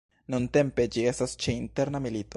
Nuntempe, ĝi estas ĉe interna milito.